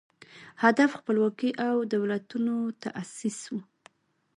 هدف خپلواکي او دولتونو تاسیس و